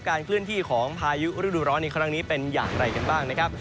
เคลื่อนที่ของพายุฤดูร้อนในครั้งนี้เป็นอย่างไรกันบ้างนะครับ